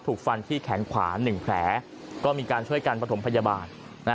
ถูกฟันที่แขนขวา๑แผลก็มีการช่วยกันประถมพยาบาล